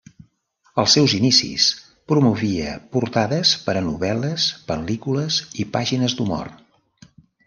Als seus inicis promovia portades per a novel·les, pel·lícules i pàgines d'humor.